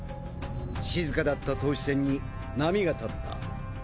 静かだった投手戦に波が立った。